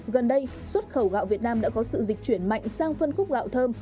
gần đây xuất khẩu gạo việt nam đã có sự dịch chuyển mạnh sang phân khúc gạo thơm